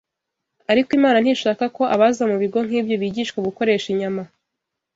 Ariko Imana ntishaka ko abaza mu bigo nk’ibyo bigishwa gukoresha inyama